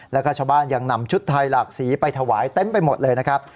แล้วก็ชาวบ้านยังนำชุดไทยหลากสีไปถวายเต็มไปหมดเลยนะครับ